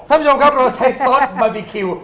ท่านผู้ชมครับเราใช้ซอสบาร์บีคิว